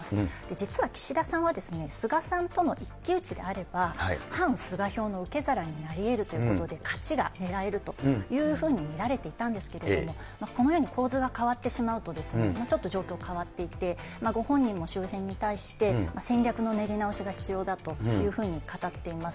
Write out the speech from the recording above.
実は岸田さんは、菅さんとの一騎打ちであれば、反菅票の受け皿になりえるということで、勝ちがねらえるというふうに見られていたんですけれども、このように構図が変わってしまうとですね、ちょっと状況変わっていて、ご本人も周辺に対して、戦略の練り直しが必要だというふうに語っています。